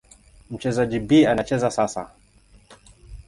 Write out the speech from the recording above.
Mchezaji B anacheza sasa.